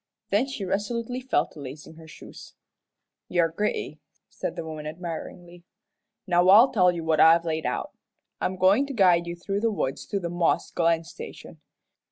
Then she resolutely fell to lacing on her shoes. "You're gritty," said the woman, admiringly. "Now I'll tell you what I've laid out. I'm goin' to guide you through the woods to the Moss Glen Station.